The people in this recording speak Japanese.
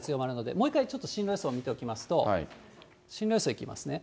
もう一回、ちょっと進路予想を見ておきますと、進路予想いきますね。